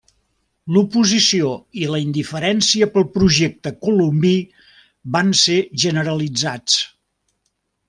L'oposició i la indiferència pel projecte colombí van ser generalitzats.